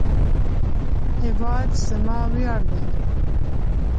هیواد زما ویاړ دی